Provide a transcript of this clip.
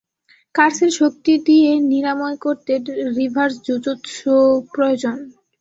কার্সের শক্তি দিয়ে নিরাময় করতে রিভার্স জুজুৎসু প্রয়োজন।